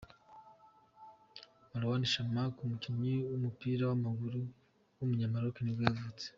Marouane Chamakh, umukinnyi w’umupira w’amaguru w’umunyamaroc nibwo yavutse.